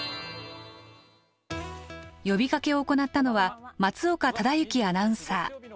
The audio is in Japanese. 呼びかけを行ったのは松岡忠幸アナウンサー。